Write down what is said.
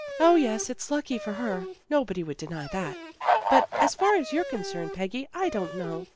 " O, yes, it's lucky for her. Nobody would deny that. But as far as you're concerned, Peggy, I don't know.